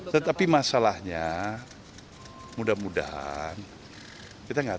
tetapi masalahnya mudah mudahan kita tidak